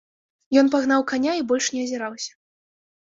Ён пагнаў каня і больш не азіраўся.